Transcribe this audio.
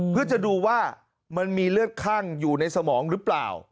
เพื่อจะดูว่ามันมีเลือดคั่งอยู่ในสมองหรือเปล่า